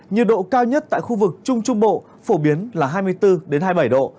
nhiệt độ cao nhất tại khu vực trung trung bộ phổ biến là hai mươi bốn hai mươi bảy độ